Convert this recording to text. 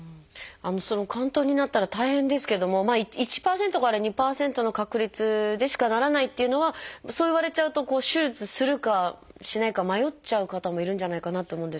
その嵌頓になったら大変ですけどもまあ１％から２％の確率でしかならないっていうのはそう言われちゃうと手術するかしないか迷っちゃう方もいるんじゃないかなって思うんですけども。